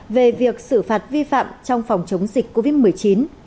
về việc xử phạt vi phạm trong phòng chống dịch covid một mươi chín